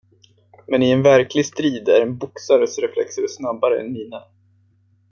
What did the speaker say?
Men i en verklig strid är en boxares reflexer snabbare än mina.